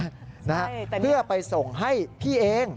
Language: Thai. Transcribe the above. ใช่แต่นี้อ่ะเพื่อไปส่งให้พี่เอง